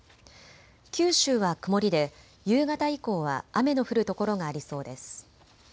九州は曇りで夕方以降は雨の降る所がありそうです。